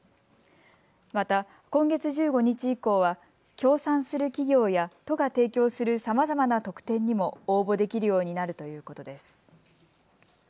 また、今月１５日以降は協賛する企業や都が提供するさまざまな特典にも応募できるようになるということです。